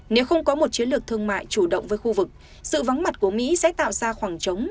nếu không có một chiến lược thương mại chủ động với khu vực sự vắng mặt của mỹ sẽ tạo ra khoảng trống